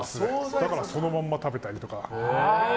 だからそのまま食べたりとか。